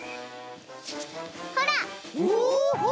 ほら！